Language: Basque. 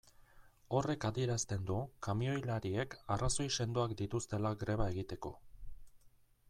Horrek adierazten du kamioilariek arrazoi sendoak dituztela greba egiteko.